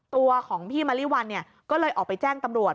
ตัวของพี่มะลิวัลก็เลยออกไปแจ้งตำรวจ